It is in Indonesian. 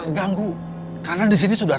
merasa ganggu karena disini sudah